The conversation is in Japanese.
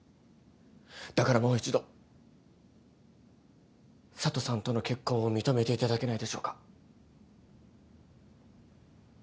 だからもう一度佐都さんとの結婚を認めていただけないでしょうか。